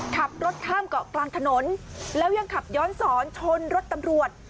ขับรถข้ามเกาะกลางถนนแล้วยังขับย้อนสอนชนรถตำรวจ